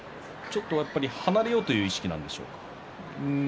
離れようという意識なんですか。